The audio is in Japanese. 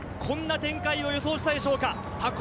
一体誰がこんな展開を予想したでしょうか。